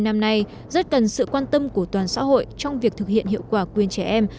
tháng hành động vì trẻ em năm nay rất cần sự quan tâm của toàn xã hội trong việc thực hiện hiệu quả quyền trẻ em